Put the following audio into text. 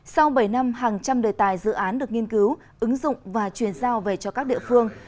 sau bảy năm hàng trăm đề tài dự án được nghiên cứu ứng dụng và truyền giao về cho các địa phương